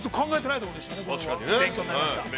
◆勉強になりました。